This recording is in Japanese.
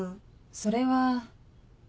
それは。